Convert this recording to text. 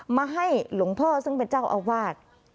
มาให้หลวงพ่อซึ่งเป็นเจ้าอาวาส